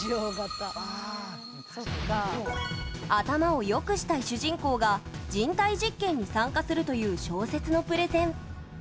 頭を良くしたい主人公が人体実験に参加するという小説のプレゼン。